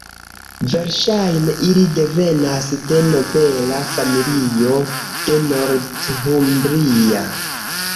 Verŝajne ili devenas de nobela familio de Northumbria.